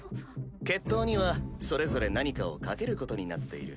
決闘にはそれぞれ何かを賭けることになっている。